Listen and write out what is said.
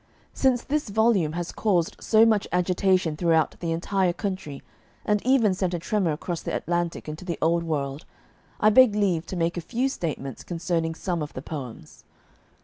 Since this volume has caused so much agitation throughout the entire country, and even sent a tremor across the Atlantic into the Old World, I beg leave to make a few statements concerning some of the poems.